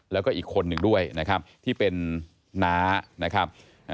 แล้วก็อีกคนหนึ่งด้วยนะครับที่เป็นน้านะครับ